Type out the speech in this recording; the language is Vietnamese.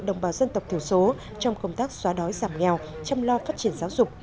đồng bào dân tộc thiểu số trong công tác xóa đói giảm nghèo chăm lo phát triển giáo dục